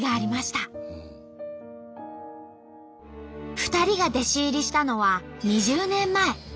２人が弟子入りしたのは２０年前。